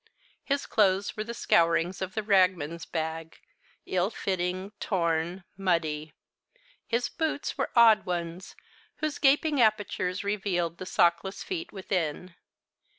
His clothes were the scourings of the ragman's bag ill fitting, torn, muddy. His boots were odd ones, whose gaping apertures revealed the sockless feet within.